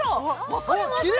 分かれました